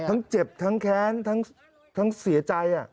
เจ็บทั้งแค้นทั้งเสียใจ